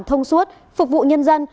thông suốt phục vụ nhân dân